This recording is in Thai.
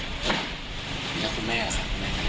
แล้วคุณแม่ค่ะคุณแม่ค่ะ